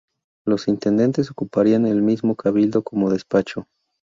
Los intendentes ocuparían el mismo cabildo como despacho.